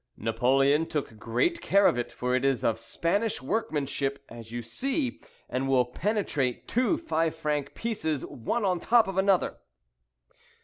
Napoleon took great care of it, for it is of Spanish workmanship, as you see, and will penetrate two five franc pieces one on top of another."